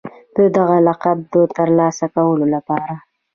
د دغه لقب د ترلاسه کولو لپاره